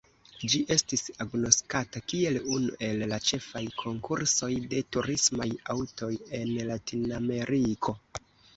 Ĝi estis agnoskata kiel unu el la ĉefaj konkursoj de turismaj aŭtoj en Latinameriko.